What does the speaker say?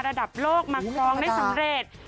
ระดับโลกมาครองได้สำเร็จ